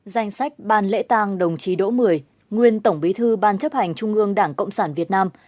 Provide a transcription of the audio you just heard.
danh sách ban lễ tang đồng chí đỗ mười nguyên tổng bí thư ban chấp hành trung ương đảng cộng sản việt nam